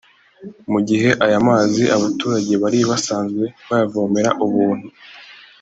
Mu gihe aya amazi abaturage bari basanzwe bayavomera ubuntu